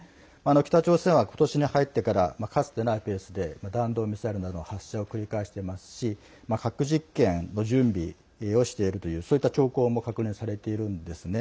北朝鮮は、ことしに入ってからかつてないペースで弾道ミサイルなどの発射を繰り返していますし核実験の準備をしているというそういった兆候も確認されているんですね。